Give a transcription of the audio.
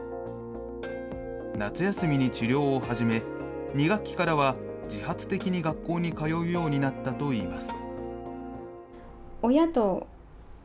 夏休みに治療を始め、２学期からは自発的に学校に通うようになったといいます。